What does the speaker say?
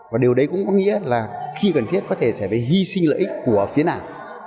và điều đấy cũng có nghĩa là khi cần thiết có thể sẽ phải hy sinh lợi ích của phía nào